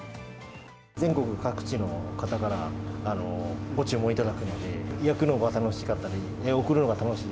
全国各地の方から、ご注文いただくので、焼くのが楽しかったり、送るのが楽しい。